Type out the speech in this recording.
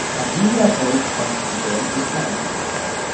An diesen Erfolg konnte die Band nicht mehr anknüpfen.